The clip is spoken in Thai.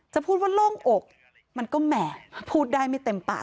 พูดว่าโล่งอกมันก็แหมพูดได้ไม่เต็มปาก